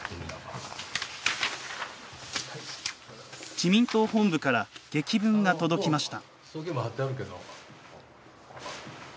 自民党本部から檄文が届きました。